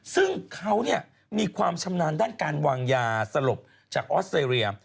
ซึ่งเขามีความชำนาญด้านการวางยาสลบจากออสเตรเลีย